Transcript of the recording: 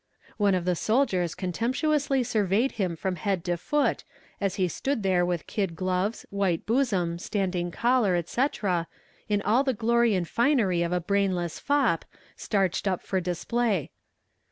One of the soldiers contemptuously surveyed him from head to foot, as he stood there with kid gloves, white bosom, standing collar, etc., in all the glory and finery of a brainless fop, starched up for display.